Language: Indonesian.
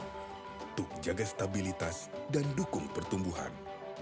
untuk jaga stabilitas dan dukung pertumbuhan